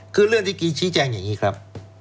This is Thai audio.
คือเรื่องที่กี้ชี้แจงอย่างนี้ครับ